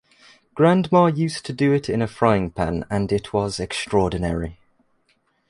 Grandma used to do it in a frying pan and it was extraordinary.